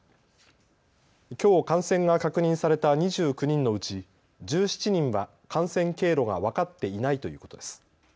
きょう感染が確認された２９人のうち１７人は感染経路が分かっていないということです。